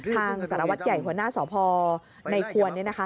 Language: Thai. ทางสารวัตรใหญ่หัวหน้าสอบภอร์ในควรเนี่ยนะคะ